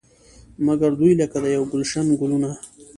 مګر دوی لکه د یو ګلش ګلونه.